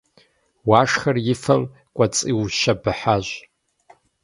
Уашхэр и фэм кӏуэцӏиущэбыхьащ.